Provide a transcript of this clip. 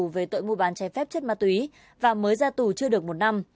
về tội mua bán trái phép chất ma túy và mới ra tù chưa được một năm